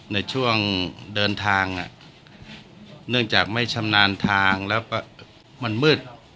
ในช่วงเดินทางเนื่องจากไม่ชำนาญทางแล้วก็มันมืด